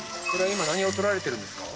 今何を採られてるんですか？